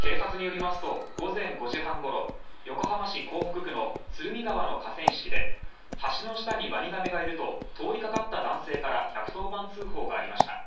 警察によりますと午前５時半頃横浜市港北区の鶴見川の河川敷で橋の下にワニガメがいると通りかかった男性から１１０番通報がありました。